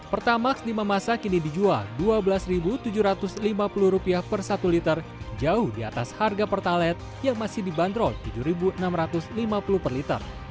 pertamax di memasak kini dijual rp dua belas tujuh ratus lima puluh per satu liter jauh di atas harga pertalet yang masih dibanderol rp tujuh enam ratus lima puluh per liter